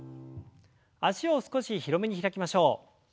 脚を少し広めに開きましょう。